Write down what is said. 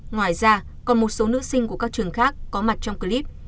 ngoài ra còn một số nữ sinh của các trường khác có mặt trong clip